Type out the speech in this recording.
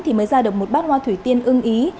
thì mới ra được một bát hoa thủy tiên ưng ý